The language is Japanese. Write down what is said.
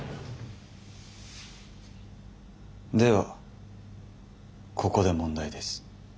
ではここで問題です。